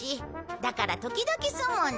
だから時々住むんだ。